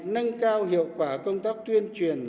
nâng cao hiệu quả công tác tuyên truyền